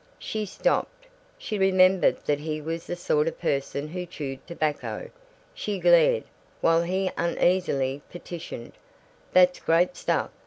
She stopped. She remembered that he was the sort of person who chewed tobacco. She glared, while he uneasily petitioned, "That's great stuff.